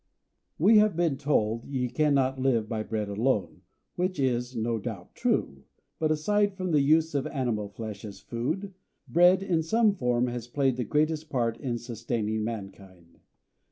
We have been told, "Ye cannot live by bread alone," which is no doubt true, but aside from the use of animal flesh as food, bread in some form has played the greatest part in sustaining mankind.